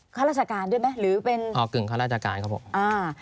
ข้าราชการด้วยไหมหรือเป็นพอกึ่งข้าราชการเขาบอกอ่า